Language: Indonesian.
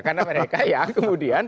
karena mereka ya kemudian